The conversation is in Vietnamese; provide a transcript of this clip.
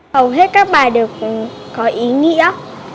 hầu hết các bài đều có ý nghĩa